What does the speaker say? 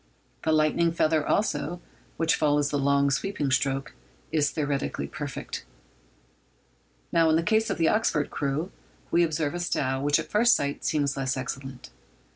The lightning feather, also, which follows the long sweeping stroke, is theoretically perfect. Now, in the case of the Oxford crew, we observe a style which at first sight seems less excellent.